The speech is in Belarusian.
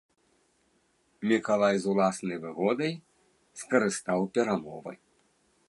Мікалай з уласнай выгодай скарыстаў перамовы.